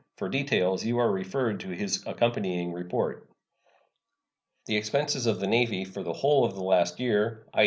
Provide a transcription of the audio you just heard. For details you are referred to his accompanying report. The expenses of the Navy for the whole of the last year i.